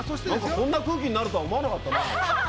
こんな空気になると思わなかった。